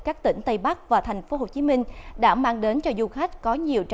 các tỉnh tây bắc và tp hcm đã mang đến cho du khách có nhiều trang trí